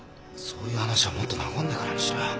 そういう話はもっと和んでからにしろよ。